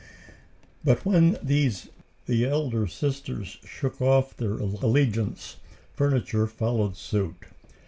But when these the elder sisters shook off their allegiance, furniture followed suit.